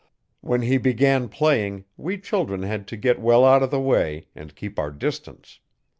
When he began playing we children had to get well out of the way, and keep our distance.